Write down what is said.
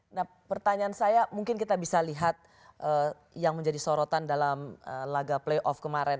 nah pertanyaan saya mungkin kita bisa lihat yang menjadi sorotan dalam laga playoff kemarin